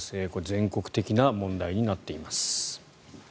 全国的な問題になっています。